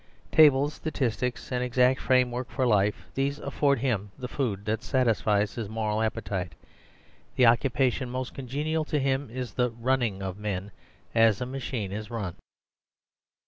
Tables, statistics, an exact frame work for life these afford him the food that satisfies his moral apetite ; the occupation most congenial to him is the "running" of men : as a machine is run.